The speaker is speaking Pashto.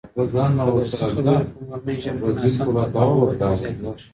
که درسي خبرې په مورنۍ ژبه وي ناسم تفاهم ولې نه زياتېږي؟